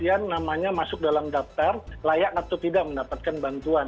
nah ada juga mendaftar namanya masuk dalam daftar layak atau tidak mendapatkan bantuan